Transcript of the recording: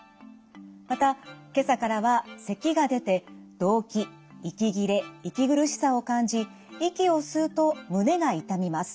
また今朝からはせきが出てどうき息切れ息苦しさを感じ息を吸うと胸が痛みます。